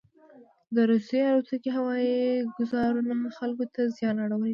دروسیې الوتکوهوایي ګوزارونوخلکو ته زیان اړولی دی.